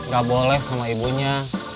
gak boleh sama ibunya